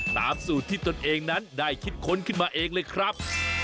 ตามสูตรที่ตนเองนั้นได้คิดค้นขึ้นมาเองเลยครับ